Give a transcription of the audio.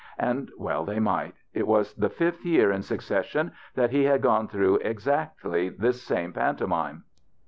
And well they might. It was the fifth year in succession that he had gone through exactly this same pantomime.